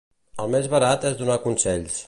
El més barat és donar consells.